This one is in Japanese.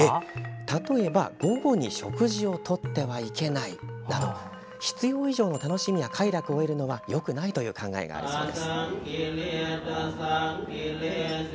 例えば「午後に食事をとってはいけない」など必要以上の楽しみや快楽を得るのはよくないという考えがあるそうです。